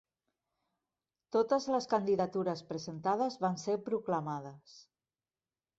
Totes les candidatures presentades van ser proclamades.